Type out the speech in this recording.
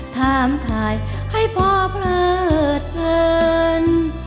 ถามถ่ายให้พ่อเพลิดเพลิน